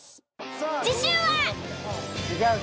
次週は。